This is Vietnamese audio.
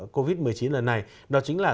covid một mươi chín lần này đó chính là